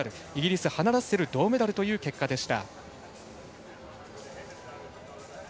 イギリスのハナ・ラッセルが銅メダルという結果でした。